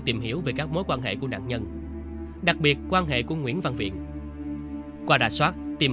tìm hiểu về các mối quan hệ của nạn nhân đặc biệt quan hệ của nguyễn văn viện qua đà soát tìm